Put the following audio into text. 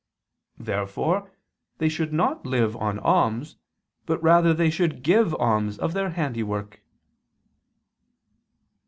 Therefore they should not live on alms, but rather should they give alms of their handiwork.